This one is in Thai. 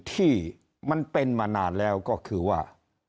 ที่มันเป็นมานานแล้วก็คือว่า